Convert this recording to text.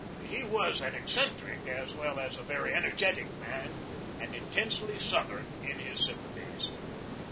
He was an eccentric as well as a very energetic man, and intensely Southern in his sympathies.